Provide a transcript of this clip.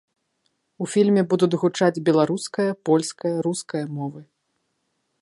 У фільме будуць гучаць беларуская, польская, руская мовы.